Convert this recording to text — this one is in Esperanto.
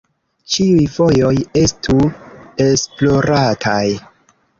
Ĉiuj vojoj estu esplorataj.